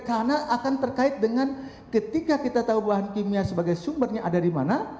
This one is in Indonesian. karena akan terkait dengan ketika kita tahu bahan kimia sebagai sumbernya ada di mana